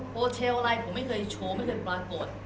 เชลอะไรผมไม่เคยโชว์ไม่เคยปรากฏ